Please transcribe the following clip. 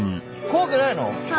怖くない。